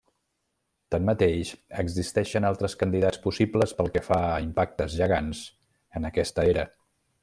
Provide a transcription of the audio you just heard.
Tanmateix, existeixen altres candidats possibles pel que fa a impactes gegants en aquesta era.